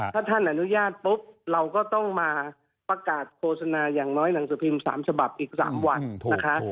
ถ้าท่านอนุญาตปุ๊บเราก็ต้องมาประกาศโฆษณาอย่างน้อยหนังสือพิมพ์๓ฉบับอีก๓วันนะคะ